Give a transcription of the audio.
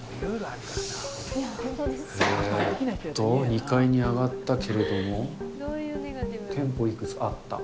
えーと、２階に上がったけれども、店舗いくつかあった。